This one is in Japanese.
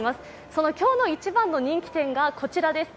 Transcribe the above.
その今日の一番の人気店がこちらです。